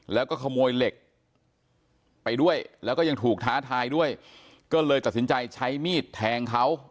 แล้วก็ขโมยเหล็กไปด้วยแล้วก็ยังถูกท้าทายด้วยก็เลยตัดสินใจใช้มีดแทงเขา